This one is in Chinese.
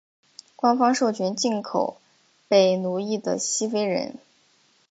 官方授权进口被奴役的西非人。